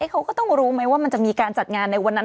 เขาก็ต้องรู้ไหมว่ามันจะมีการจัดงานในวันนั้น